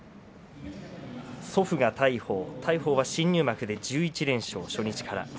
祖父が大鵬大鵬は新入幕で１１連勝初日から。